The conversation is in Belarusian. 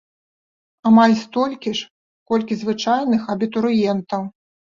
Амаль столькі ж, колькі звычайных абітурыентаў!